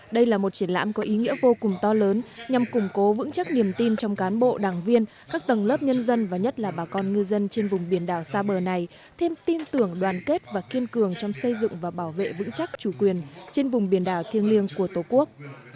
đây là một triển lãm có ý nghĩa vô cùng to lớn nhằm củng cố vững chắc niềm tin trong cán bộ đảng viên các tầng lớp nhân dân và nhất là bà con ngư dân trên vùng biển đảo xa bờ này thêm tin tưởng đoàn kết và kiên cường trong xây dựng và bảo vệ vững chắc chủ quyền trên vùng biển đảo thiêng liêng của tổ quốc